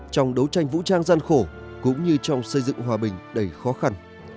trong đấu tranh vũ trang gian khổ cũng như trong xây dựng hòa bình đầy khó khăn